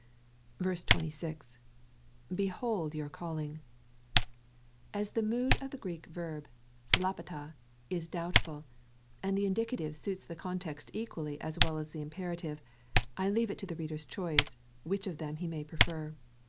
rietm (Jer. ix. 24.) 26. Behold your calling. As the mood of the Greek verb OSXeTrere) is doubtful, and the indicative suits the context equally as well as the imperative, I leave it to the reader's choice which of them he may prefer.